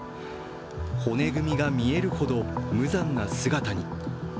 骨組みが見えるほど無残な姿に。